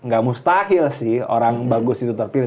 gak mustahil sih orang bagus itu terpilih